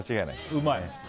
うまい。